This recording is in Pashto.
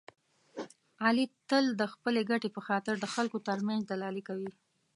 علي تل د خپلې ګټې په خاطر د خلکو ترمنځ دلالي کوي.